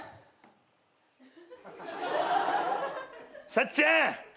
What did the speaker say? さっちゃん！